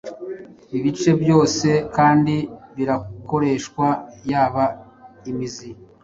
ibice byose kandi birakoreshwa yaba imizi,